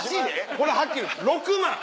これはっきりいうて６万！